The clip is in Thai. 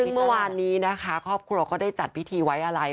เมื่อวานนี้นะคะครอบครัวก็ได้จัดพิธีไว้อะไร